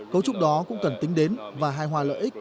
cấu trúc đó cũng cần tính đến và hài hòa lợi ích